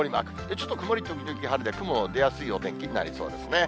ちょっと曇り時々晴れで、雲の出やすいお天気になりそうですね。